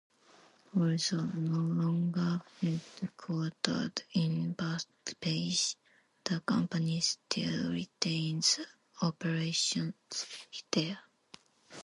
Although no longer headquartered in Bethpage, the company still retains operations there.